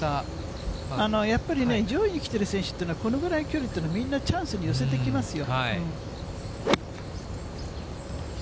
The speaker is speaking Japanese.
やっぱりね、上位に来てる選手っていうのは、このぐらいの距離っていうのは、みんな、チャンスに寄せてきますよ。